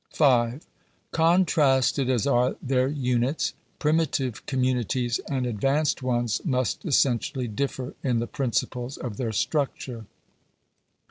'§ 5. Contrasted as are their units, primitive communities and advanced ones must essentially differ in the principles of their structure.